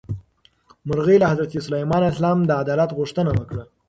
مرغۍ له حضرت سلیمان علیه السلام د عدالت غوښتنه وکړه.